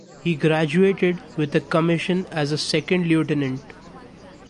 He graduated with a commission as a second lieutenant.